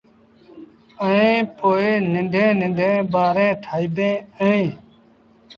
ائيٚݩ پو ننڊيٚن ننڍيٚݩ ٻآريٚݩ ٺآئيٚبيٚن اهيݩ